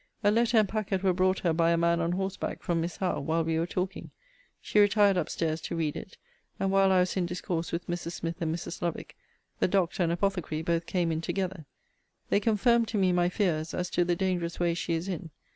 A letter and packet were brought her by a man on horseback from Miss Howe, while we were talking. She retired up stairs to read it; and while I was in discourse with Mrs. Smith and Mrs. Lovick, the doctor and apothecary both came in together. They confirmed to me my fears, as to the dangerous way she is in.